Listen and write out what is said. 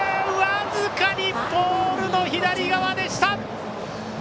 僅かにポールの左側でした！